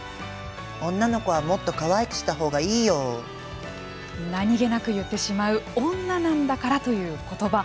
女の子はもっとかわいくしたほうが何気なく言ってしまう女なんだからということば。